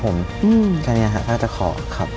ครับผมแค่เนี่ยครับถ้าจะขอครับ